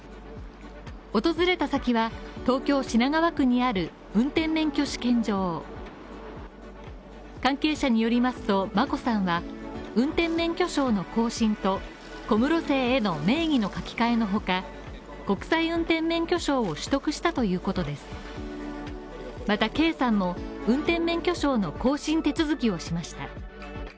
訪れた先は、東京品川区にある運転免許試験場関係者によりますと、眞子さんは運転免許証の更新と小室姓への名義の書き換えのほか、国際運転免許証を取得したということですまた圭さんも運転免許証の更新手続きをしました。